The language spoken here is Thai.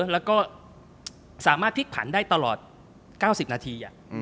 แล้วก็สามารถพลิกผันได้ตลอด๙๐นาที